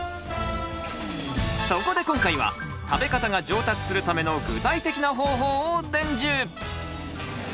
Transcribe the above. そこで今回は食べ方が上達するための具体的な方法を伝授！